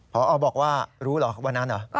พอบอกว่ารู้เหรอวันนั้นเหรอ